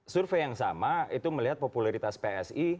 survei yang sama itu melihat popularitas psi